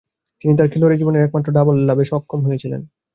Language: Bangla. তিনি তার খেলোয়াড়ী জীবনের একমাত্র ডাবল লাভে সক্ষম হয়েছিলেন।